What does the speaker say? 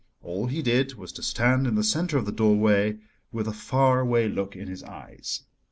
All he did was to stand in the centre of the doorway with a far away look in his eyes.